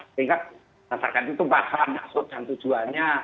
sehingga masyarakat itu paham maksud dan tujuannya